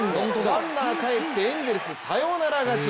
ランナー帰ってエンゼルスサヨナラ勝ち。